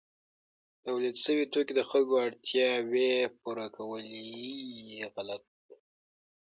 تولید سوي توکي د خلکو اړتیاوې پوره کولي.